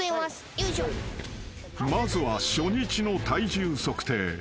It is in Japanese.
［まずは初日の体重測定］